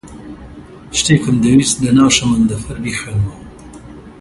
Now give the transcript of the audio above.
شتێکم دەویست لەناو شەمەندەفەر بیخوێنمەوە.